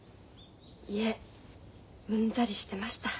いえうんざりしてました。